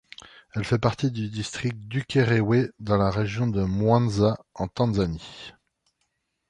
Elle fait partie du district d'Ukerewe, dans la région de Mwanza, en Tanzanie.